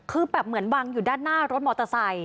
คือแบบเหมือนวางอยู่ด้านหน้ารถมอเตอร์ไซค